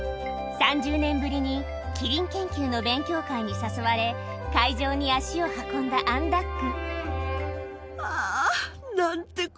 ３０年ぶりにキリン研究の勉強会に誘われ会場に足を運んだアン・ダック